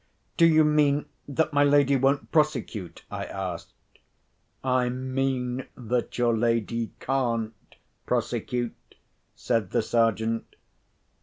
"Do you mean that my lady won't prosecute?" I asked. "I mean that your lady can't prosecute," said the Sergeant.